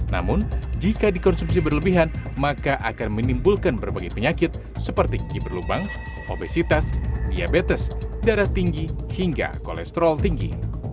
namun jika dikonsumsi berlebihan maka akan menimbulkan berbagai penyakit seperti kaki berlubang obesitas diabetes darah tinggi hingga kolesterol tinggi